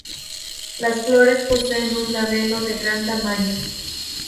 Las flores poseen un labelo de gran tamaño.